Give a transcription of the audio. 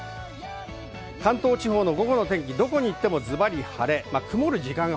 関東地方の午後の天気、どこに行ってもズバリ晴れ。